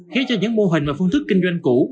khiến cho những mô hình và phương thức kinh doanh cũ